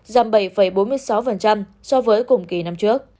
giảm bảy bốn mươi sáu so với cùng kỳ năm trước